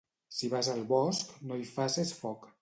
Si vas al bosc, no hi faces foc.